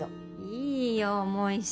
いいよ重いし。